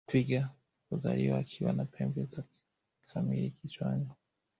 twiga huzaliwa akiwa na pembe za kamili kichwani